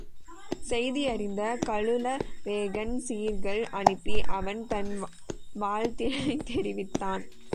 செய்தி அறிந்த கலுழவேகன் சீர்கள் அனுப்பி அவன் தன் வாழ்த்தினைத் தெரிவித்தான்.